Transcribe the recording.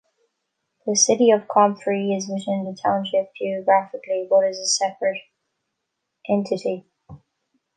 The city of Comfrey is within the township geographically but is a separate entity.